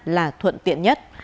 là thuận tiện nhất